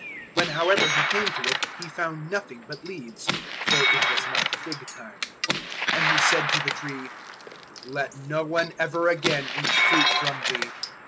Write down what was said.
When however He came to it, He found nothing but leaves (for it was not fig time); 011:014 and He said to the tree, "Let no one ever again eat fruit from thee!"